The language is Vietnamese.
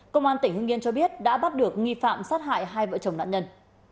công an tỉnh hưng yên cho biết đã bắt được nghi phạm sát hại hai vợ chồng nạn nhân